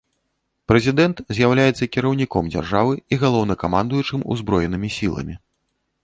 Прэзідэнт з'яўляецца кіраўніком дзяржавы і галоўнакамандуючым узброенымі сіламі.